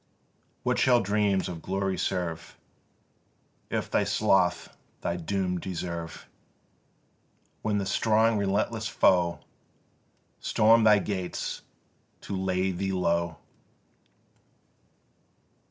What shall dreams of glory serve, If thy sloth thy doom deserve, When the strong relentless foe Storm thy gates to lay thee low?